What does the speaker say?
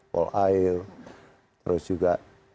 pol ail terus juga